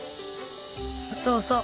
そうそう。